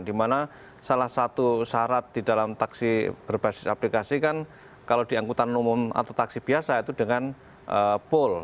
dimana salah satu syarat di dalam taksi berbasis aplikasi kan kalau diangkutan umum atau taksi biasa itu dengan pool